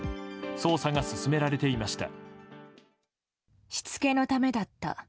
捜査が進められていました。